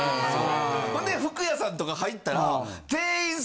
ほんで服屋さんとか入ったら。